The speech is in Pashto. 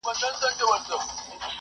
کشکي ستاسي په څېر زه هم الوتلای !.